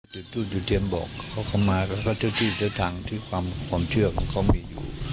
จุดจุดเตรียมบอกเขาเข้ามาเขาก็เที่ยวที่เจ้าทางที่ความความเชื่อของเขามีอยู่